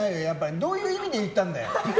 どういう意味で言ったんだよ！